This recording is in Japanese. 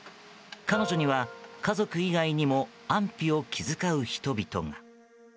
彼女には、家族以外にも安否を気遣う人々が。